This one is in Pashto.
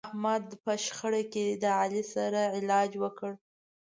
احمد په شخړه کې د علي سم علاج وکړ.